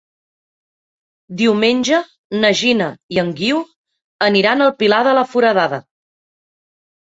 Diumenge na Gina i en Guiu aniran al Pilar de la Foradada.